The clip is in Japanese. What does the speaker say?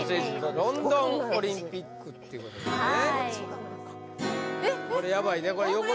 ロンドンオリンピックっていうことですね・えっえっ？